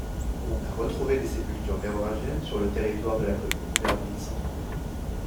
On a retrouvé des sépultures mérovingiennes sur le territoire de la commune vers Ville-Saint-Ouen.